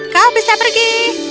kau bisa pergi